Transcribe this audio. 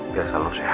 biar selalu sehat